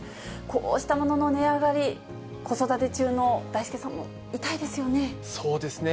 こうしたものの値上がり、子育て中のだいすけさんも、痛いですよね。